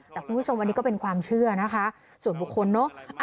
แต่คุณผู้ชมอันนี้ก็เป็นความเชื่อนะคะส่วนบุคคลเนอะ